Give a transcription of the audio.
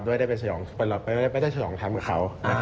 ไม่ได้เป็นชุดชองแชมป์กับเขา